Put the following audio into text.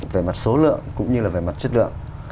về mặt số lượng cũng như là về mặt chất lượng